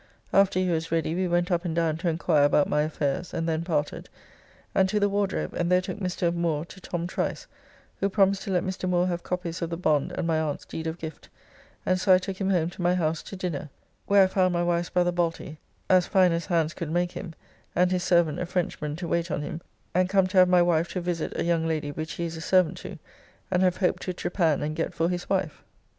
After he was ready we went up and down to inquire about my affairs and then parted, and to the Wardrobe, and there took Mr. Moore to Tom Trice, who promised to let Mr. Moore have copies of the bond and my aunt's deed of gift, and so I took him home to my house to dinner, where I found my wife's brother, Balty, as fine as hands could make him, and his servant, a Frenchman, to wait on him, and come to have my wife to visit a young lady which he is a servant to, and have hope to trepan and get for his wife.